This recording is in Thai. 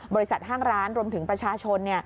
บริษัทห้างร้านรวมถึงประชาชน